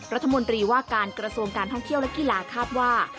รัฐมนตรีว่าการกระทรวงการท่องเที่ยวและกีฬาคาดว่า